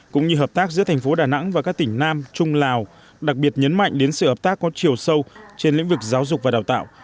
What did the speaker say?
cũng như hợp tác giữa thành phố đà nẵng và các tỉnh nam trung lào đặc biệt nhấn mạnh đến sự hợp tác có chiều sâu trên lĩnh vực giáo dục và đào tạo